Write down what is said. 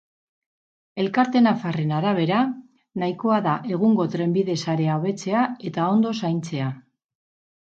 Elkarte nafarraren arabera, nahikoa da egungo trenbide sarea hobetzea eta ondo zaintzea.